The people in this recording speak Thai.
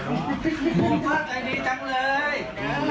อยากไปทำบทอื่นแล้วคือไปทำบทอื่นก็ไม่